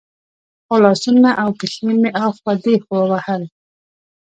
خو لاسونه او پښې مې اخوا دېخوا وهل.